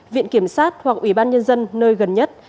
viện kiểm sát hoặc ủy ban nhân dân nơi gần nhất